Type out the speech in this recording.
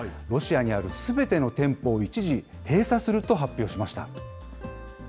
ロシアにあるすべての店舗を一時閉鎖すると発表しました。